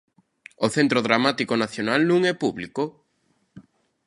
O Centro Dramático Nacional non é público?